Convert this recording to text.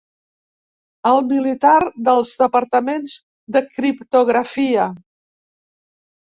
El militar dels departaments de criptografia.